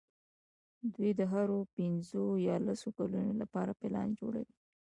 دوی د هرو پینځو یا لسو کلونو لپاره پلان جوړوي.